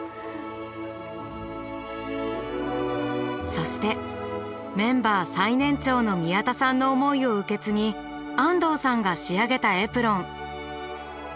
そしてメンバー最年長の宮田さんの思いを受け継ぎ安藤さんが仕上げたエプロン。